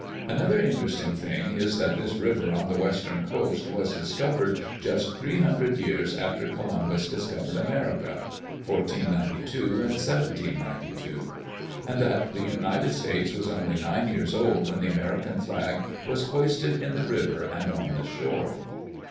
Another interesting thing is that this river on the western coast was discovered just three hundred years after Columbus discovered America (1492 and 1792); and that the United States was only nine years old when the American flag was hoisted in the river and on the shore.